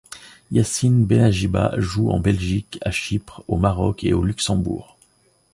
Yassine Benajiba joue en Belgique, à Chypre, au Maroc, et au Luxembourg.